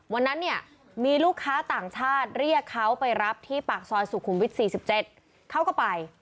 วันนั้นเนี่ยมีลูกค้าต่างชาติเรียกเขาไปรับที่ปากซอยสุขุมวิท๔๗เขาก็ไป